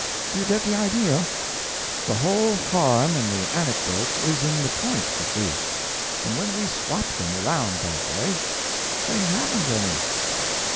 Do you get the idea? The whole harm in the anecdotes is in the point, you see; and when we swap them around that way, they haven't any.